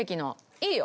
いいよ。